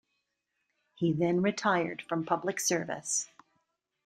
He then retired from public service.